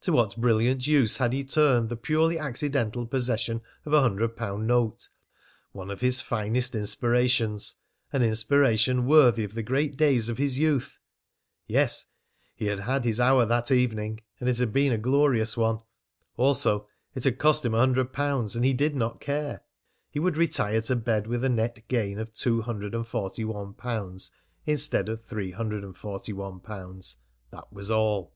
To what brilliant use had he turned the purely accidental possession of a hundred pound note! One of his finest inspirations an inspiration worthy of the great days of his youth! Yes, he had had his hour that evening, and it had been a glorious one. Also, it had cost him a hundred pounds, and he did not care; he would retire to bed with a net gain of two hundred and forty one pounds instead of three hundred and forty one pounds, that was all.